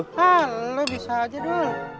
hah lu bisa aja dul